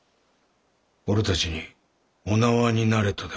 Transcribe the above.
俺たちにお縄になれとでも？